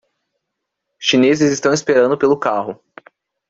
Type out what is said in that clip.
Chineses estão esperando pelo carro